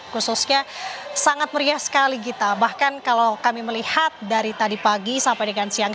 khususnya sangat meriah sekali gita bahkan kalau kami melihat dari tadi pagi sampai dengan siang